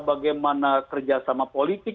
bagaimana kerjasama politik